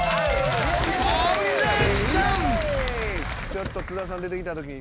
ちょっと津田さん出てきたとき。